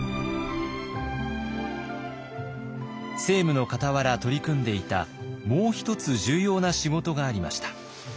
政務のかたわら取り組んでいたもう一つ重要な仕事がありました。